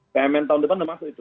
pmn tahun depan sudah masuk itu